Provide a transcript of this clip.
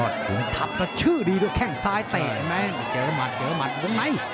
ถุงทัพจะชื่อดีด้วยแข้งซ้ายเตะไหมเจอหมัดเจอหมัดอยู่ไหน